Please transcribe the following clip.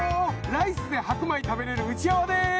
ライスで白米食べれる内山です。